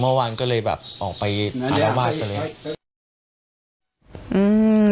เมื่อวานก็เลยแบบออกไปหาแล้วบ้านตัวเอง